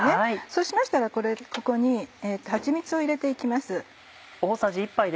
そうしましたらここにはちみつを入れて行きます。